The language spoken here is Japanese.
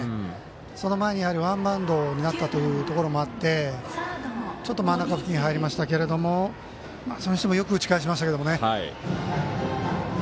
その前にワンバウンドになったというところもあってちょっと真ん中付近に入りましたけどもそれにしてもよく打ち返しましたけどね。